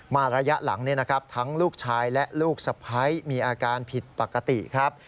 ระยะหลังทั้งลูกชายและลูกสะพ้ายมีอาการผิดปกติครับ